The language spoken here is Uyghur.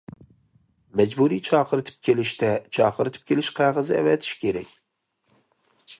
مەجبۇرىي چاقىرتىپ كېلىشتە چاقىرتىپ كېلىش قەغىزى ئەۋەتىش كېرەك.